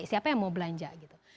siapa yang mau belanja gitu